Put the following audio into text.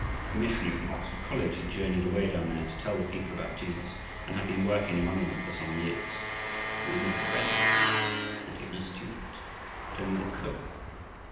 A missionary from Oxford College had journeyed away down there to tell the people about Jesus and had been working among them for some years. He was not a graduate, not even a student but only the cook!